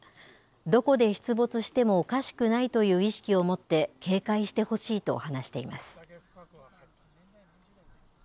どこで出没してもおかしくないという意識を持って、警戒してほしいと話しています。